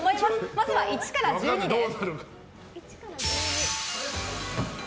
まずは１から１２です。